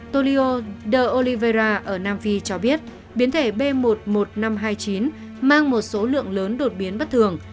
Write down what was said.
tolio de oliveira ở nam phi cho biết biến thể b một một năm trăm hai mươi chín mang một số lượng lớn đột biến bất thường